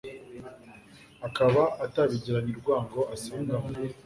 akaba atabigiranye urwango asanganywe